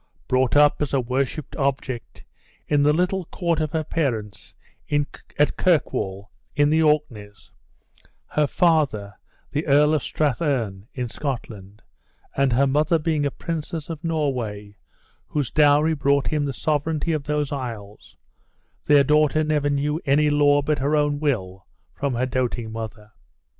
Brought up as a worshiped object, in the little court of her parents, at Kirkwall, in the Orkneys, her father the Earl of Strathern, in Scotland, and her mother being a princess of Norway, whose dowry brought him the sovereignty of those isles, their daughter never knew any law but her own will, from her doting mother.